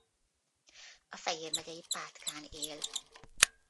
A Fejér megyei Pátkán él.